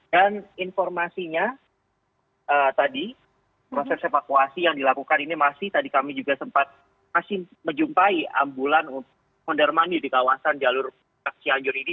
dan informasinya tadi proses evakuasi yang dilakukan ini masih tadi kami juga sempat masih menjumpai ambulan kondermani di kawasan jalur cianjur ini